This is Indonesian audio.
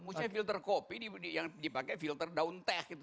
maksudnya filter kopi yang dipakai filter daun teh gitu